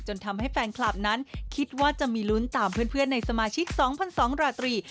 ทำให้แฟนคลับนั้นคิดว่าจะมีลุ้นตามเพื่อนในสมาชิก๒๒๐๐ราตรี